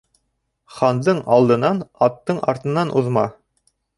Хандың алдынан, аттың артынан уҙма.